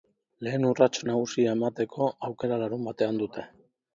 Lehen urrats nagusia emateko aukera larunbatean dute.